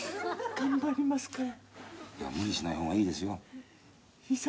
頑張りますから。